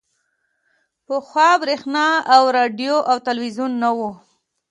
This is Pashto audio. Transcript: پخوا برېښنا او راډیو او ټلویزیون نه وو